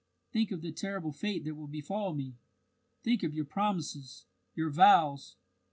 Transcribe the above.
"Think of the terrible fate that will befall me! Think of your promises, your vows!"